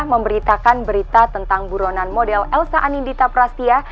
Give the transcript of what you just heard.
memberitakan berita tentang buronan model elsa anindita prastia